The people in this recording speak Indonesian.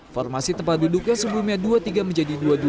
formasi tempat duduk yang sebelumnya dua puluh tiga menjadi dua puluh dua